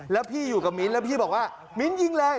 แล้วพี่อยู่กับมิ้นท์แล้วพี่บอกว่ามิ้นยิงเลย